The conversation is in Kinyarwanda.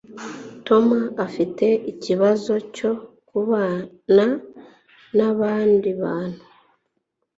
tom afite ikibazo cyo kubana nabandi bantu